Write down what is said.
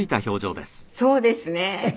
今年そうですね。